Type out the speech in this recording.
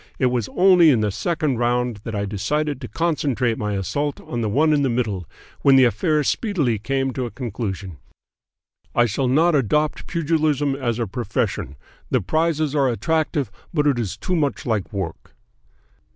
It was only in the second round that I decided to concentrate my assault on the one in the middle, when the affair speedily came to a conclusion. I shall not adopt pugilism as a profession. The prizes are attractive, but it is too much like work.'"